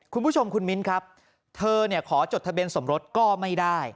คุณผู้ชมคุณมิ้นครับเธอขอจดทะเบียนสมรสก็ไม่ได้